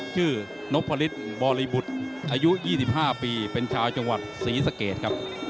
ชื่อนกพลิตบริบุธอายุ๒๕ปีเป็นชาวจังหวัดศรีสะเกตครับ